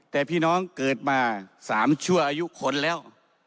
แต่พี่น้องเกิดมา๓ชั่วอายุคนแล้ว